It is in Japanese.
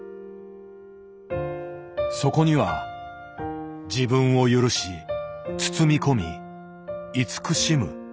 そこには「自分を許し包み込み慈しむ」。